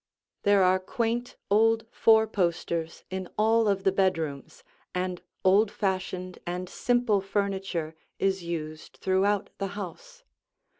There are quaint old four posters in all of the bedrooms, and old fashioned and simple furniture is used throughout the house.